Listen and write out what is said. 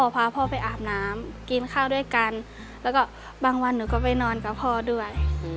พาพ่อไปอาบน้ำกินข้าวด้วยกันแล้วก็บางวันหนูก็ไปนอนกับพ่อด้วย